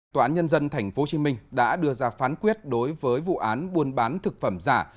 tòa án nhân dân tp hcm đã đưa ra phán quyết đối với vụ án buôn bán thực phẩm giả